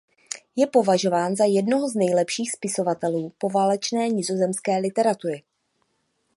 Je považován za jednoho z nejlepších spisovatelů poválečné nizozemské literatury.